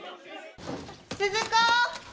・鈴子！